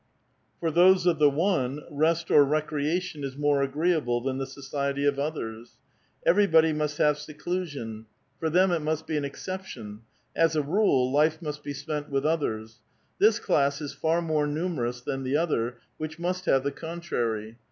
For those of the one, rest or recreation is more agreeable than the society of others. Everybody must have seclusion. For them it must be an exception ; as a rule, life must be spent with others. This class is far more numerous than the other, which must have the contrary.